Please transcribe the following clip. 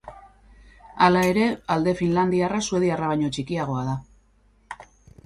Hala ere, alde finlandiarra suediarra baino txikiagoa da.